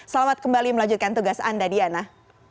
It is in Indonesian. selamat kembali melanjutkan tugas anda diana